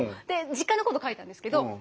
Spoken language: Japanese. で実家のこと書いたんですけど。